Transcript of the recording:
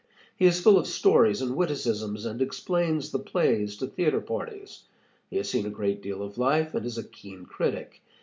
"He is full of stories and witticisms, and explains the plays to theater parties. He has seen a great deal of life and is a keen critic.